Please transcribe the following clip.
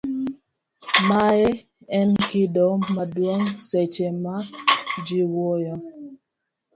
mae en kido maduong' seche ma ji wuoyo